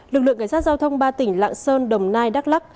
lực lượng cảnh sát giao thông ba tỉnh lạng sơn đồng nai đắk lắc